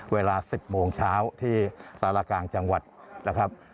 เวลา๑๐โมงเช้าที่สารกลางจังหวัดนะครับ